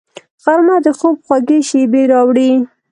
غرمه د خوب خوږې شېبې راوړي